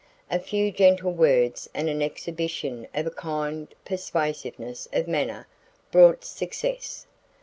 A few gentle words and an exhibition of a kind persuasiveness of manner brought success.